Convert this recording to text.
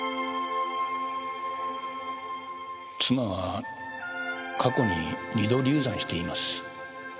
妻は過去に二度流産しています。